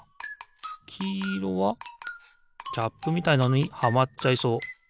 きいろはキャップみたいなのにはまっちゃいそう。